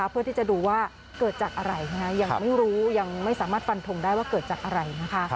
เพื่อที่จะดูว่าเกิดจากอะไรยังไม่รู้ยังไม่สามารถฟันทงได้ว่าเกิดจากอะไรนะคะ